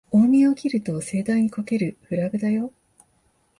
大見得を切ると盛大にこけるフラグだよ